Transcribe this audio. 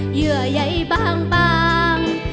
เหยื่อใยบาง